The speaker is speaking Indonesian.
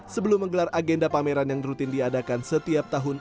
sebelum menggelar agenda pameran yang rutin diadakan setiap tahun